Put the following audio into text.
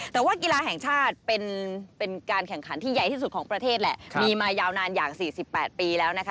แต่ว่ากีฬาแห่งชาติเป็นการแข่งขันที่ใหญ่ที่สุดของประเทศแหละมีมายาวนานอย่าง๔๘ปีแล้วนะคะ